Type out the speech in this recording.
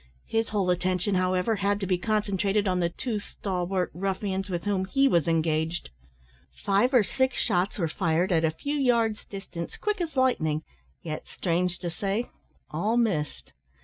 His whole attention, however, had to be concentrated on the two stalwart ruffians with whom he was engaged. Five or six shots were fired at a few yards' distance, quick as lightning, yet, strange to say, all missed.